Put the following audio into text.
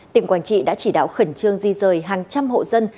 tỉnh quảng trị đã chỉ đạo khẩn trương di rời hàng trăm hộ dân